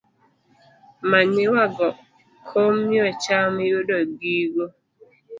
Manyiwa go komyo cham yudo gigo